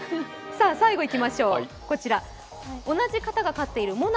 最後いきましょう、同じ方が飼っているもな